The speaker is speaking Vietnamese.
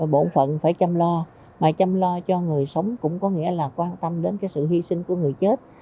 bộ phận phải chăm lo mà chăm lo cho người sống cũng có nghĩa là quan tâm đến sự hy sinh của người chết